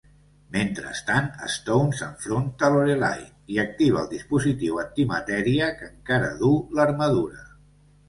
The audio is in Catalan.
Mentrestant, Stone s'enfronta a Lorelei i activa el dispositiu antimatèria que encara duu l'armadura.